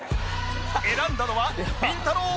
選んだのはりんたろー。